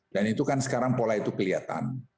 dan itu kan sekarang pola itu kelihatan